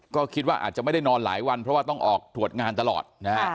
ก็คิดว่าอาจจะไม่ได้นอนหลายวันเพราะว่าต้องออกถวดงานตลอดนะฮะ